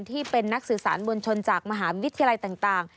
ที่เป็นนักสื่อสารมวลชนจากมหาวิทยาลัยต่าง